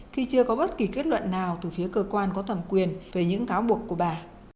khi chưa có bất kỳ kết luận nào từ phía cơ quan có thẩm quyền về những cáo buộc của bà